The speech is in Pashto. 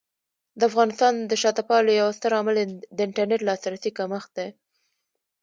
د افغانستان د شاته پاتې والي یو ستر عامل د انټرنیټ لاسرسي کمښت دی.